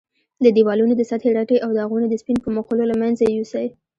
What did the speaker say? د دېوالونو د سطحې رټې او داغونه د سپین په مښلو له منځه یوسئ.